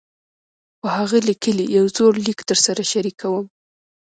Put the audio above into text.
پۀ هغه ليکلے يو زوړ ليک درسره شريکووم -